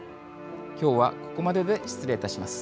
今日はここまでで失礼いたします。